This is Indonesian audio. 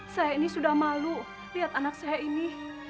saya ini sudah malu lihat anak saya ini